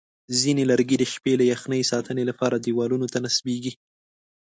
ځینې لرګي د شپې له یخنۍ ساتنې لپاره دیوالونو ته نصبېږي.